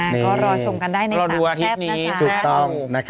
อ่าก็รอชมกันได้ในสามแซ่บรอดูอาทิตย์นี้จริงต้อง